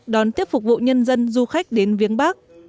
đón tiếp phục vụ nhân dân du khách đến viếng bắc